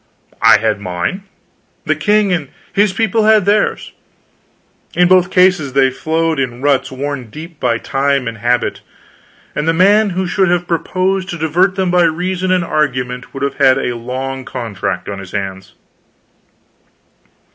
I had mine, the king and his people had theirs. In both cases they flowed in ruts worn deep by time and habit, and the man who should have proposed to divert them by reason and argument would have had a long contract on his hands.